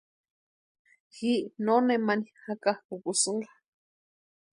Ji no nemani jakakʼukusïnka.